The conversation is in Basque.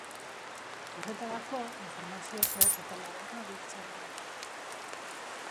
Horretarako, informazio zehatza eta laburra biltzen du.